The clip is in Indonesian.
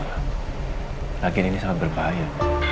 laki laki ini sangat berbahaya